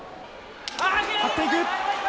張っていく。